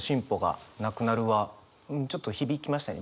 ちょっと響きましたね